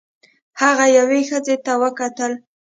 هغه یوې ښځې ته وکتل.